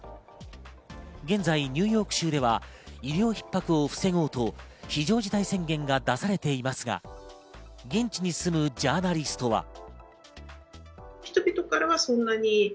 現在ニューヨーク州では医療逼迫を防ごうと非常事態宣言が出されていますが、現地に住むジャーナリストは。